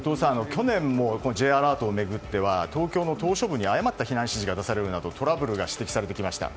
去年もＪアラートを巡って東京の島しょ部に誤った避難指示が出されるなどトラブルが指摘されてきました。